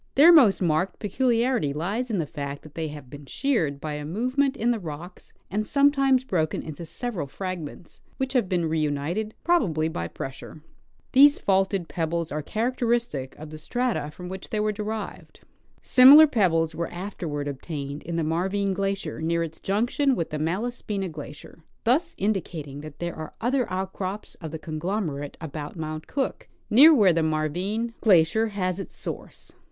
Their most marked peculiarity lies in the fact that they have been sheared by a movement in the rocks and sometimes broken into several fragments which have been reunited, probably by pressure. These faulted pebbles are characteristic of the strata from which they were derived. Similar pebbles were afterward obtained in the Marvine glacier near its junction with the Malas pina glacier, thus indicating that there are other outcrops of the conglomerate about Mount Cook, near where the Marvine glacier Fossils from Pinnade Pass. 171 has its source.